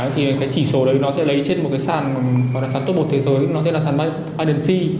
thì cái chỉ số đấy nó sẽ lấy trên một cái sàn gọi là sàn tốt bột thế giới nó tên là sàn binance